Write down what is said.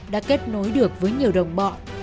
đã kết nối được với nhiều đồng bọn